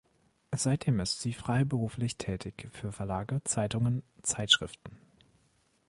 Seitdem ist sie freiberuflich tätig für Verlage, Zeitungen, Zeitschriften.